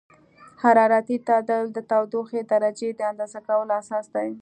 حرارتي تعادل د تودوخې درجې د اندازه کولو اساس دی.